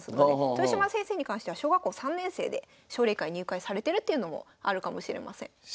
豊島先生に関しては小学校３年生で奨励会入会されてるっていうのもあるかもしれません。